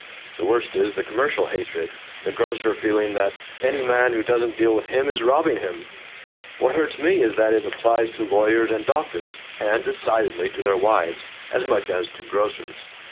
The worst is the commercial hatred the grocer feeling that any man who doesn't deal with him is robbing him. What hurts me is that it applies to lawyers and doctors (and decidedly to their wives!) as much as to grocers.